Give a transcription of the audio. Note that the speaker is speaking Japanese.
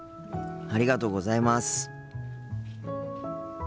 ありがとうございます。